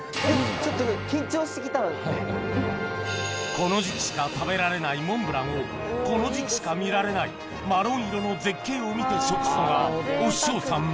この時期しか食べられないモンブランをこの時期しか見られないマロン色の絶景を見て食すのが推し匠さん